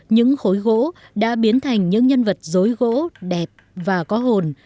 những khối gỗ đã biến thành những nhân vật dối gỗ đẹp và có hồn